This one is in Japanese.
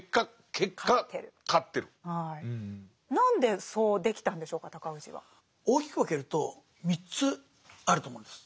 何でそうできたんでしょうか尊氏は。大きく分けると３つあると思うんです。